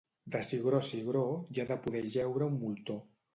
De cigró a cigró, hi ha de poder jeure un moltó.